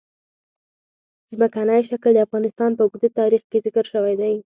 ځمکنی شکل د افغانستان په اوږده تاریخ کې ذکر شوی دی.